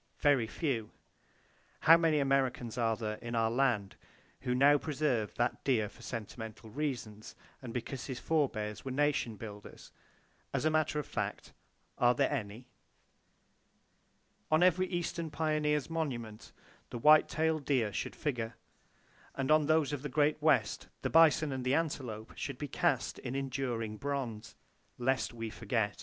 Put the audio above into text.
Very few! How many Americans are there in our land who now preserve that deer for sentimental reasons, and because his forbears were nation builders? As a matter of fact, are there any? On every eastern pioneer's monument, the white tailed deer should figure; and on those of the Great West, the bison and the antelope should be cast in enduring bronze, "lest we forget!"